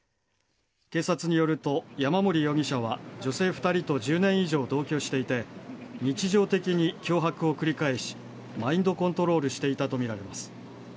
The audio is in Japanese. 警察によりますと、山森容疑者は女性２人と１０年以上同居していて日常的に脅迫を繰り返しマインドコントロールしていたとみられます。